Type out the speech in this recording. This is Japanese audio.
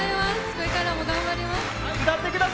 これからも頑張ります。